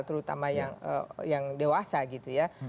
terutama yang dewasa gitu ya